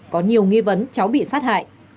có nhiều nghi vấn cháu bị sát hại